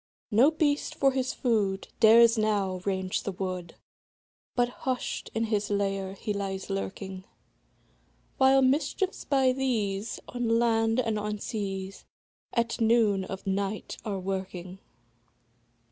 No beast, for his food, Dares now range the wood, But hush'd in his lair he lies lurking; While mischiefs, by these, On land and on seas, At noon of night are a working.